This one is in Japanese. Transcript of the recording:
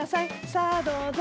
さあどうぞ。